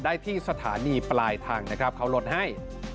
ได้ที่สถานีปลายทางนะครับเขาลดให้